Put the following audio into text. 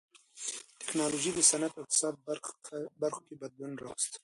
ټکنالوژۍ د صنعت او اقتصاد په برخو کې بدلون راوست.